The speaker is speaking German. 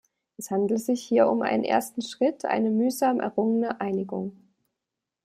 Es handelt sich hier um einen ersten Schritt, eine mühsam errungene Einigung.